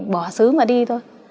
bỏ xứ mà đi thôi